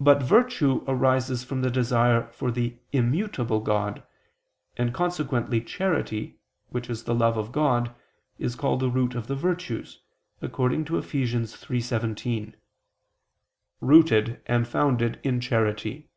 But virtue arises from the desire for the immutable God; and consequently charity, which is the love of God, is called the root of the virtues, according to Eph. 3:17: "Rooted and founded in charity."